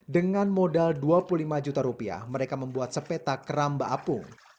dengan modal dua puluh lima juta rupiah mereka membuat sepeta keramba apung